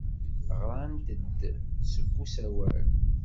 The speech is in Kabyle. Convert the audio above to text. Ɣrant-d deg usawal.